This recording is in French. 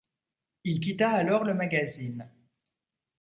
Il quitta alors le magazine.